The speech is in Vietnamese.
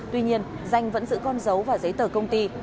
tuy nhiên danh vẫn giữ con dấu và giấy tờ công ty